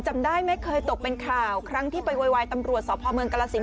จำได้ไหมเคยตกเป็นข่าวครั้งที่ไปโวยวายตำรวจสพเมืองกรสิน